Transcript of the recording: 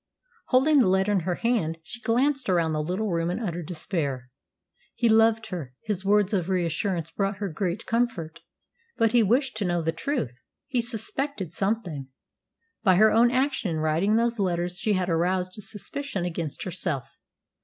Holding the letter in her hand, she glanced around the little room in utter despair. He loved her. His words of reassurance brought her great comfort. But he wished to know the truth. He suspected something. By her own action in writing those letters she had aroused suspicion against herself.